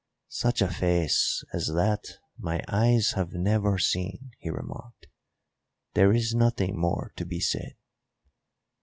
"Such a face as that my eyes have never seen," he remarked. "There is nothing more to be said."